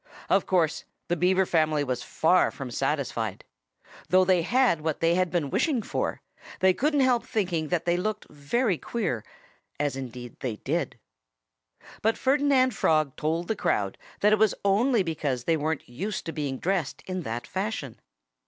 Of course, the Beaver family was far from satisfied. Though they had what they had been wishing for, they couldn't help thinking that they looked very queer as, indeed, they did. But Ferdinand Frog told the crowd that it was only because they weren't used to being dressed in that fashion.